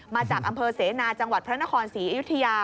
มาจากอำเภอเสนาจังหวัดพระนครศรีอยุธยา